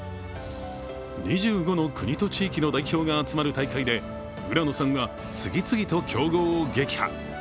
２５の国と地域の代表が集まる大会で、浦野さんは次々と強豪を撃破。